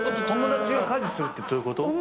友達が家事するってどういうこと？